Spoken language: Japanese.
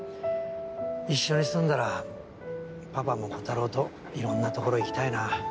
一緒に住んだらパパもこたろうといろんな所行きたいな。